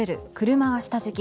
車が下敷き。